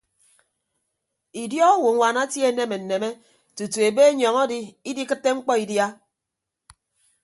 Idiọk owonwaan atie aneme nneme tutu ebe anyọñ adi idikịtte mkpọ idia.